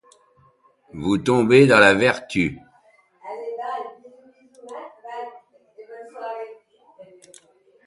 Vous font tomber dans la vertu.